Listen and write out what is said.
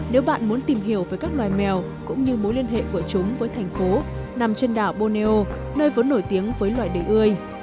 nếu bạn muốn tìm hiểu về các loài mèo cũng như mối liên hệ của chúng với thành phố nằm trên đảo borneio nơi vốn nổi tiếng với loài để ươi